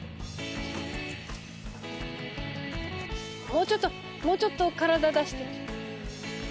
もうちょっともうちょっと体出して。